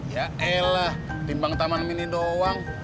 ya elah timbang taman mini doang